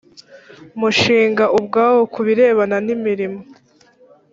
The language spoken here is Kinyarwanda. mushinga ubwawo ku birebana n imirimo